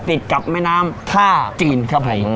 ติดกับแม่น้ำท่าจีนครับผม